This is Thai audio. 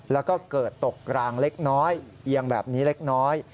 แล้วก็เกิดตกรางเล็กน้อยเอียงแบบนี้เล็กน้อย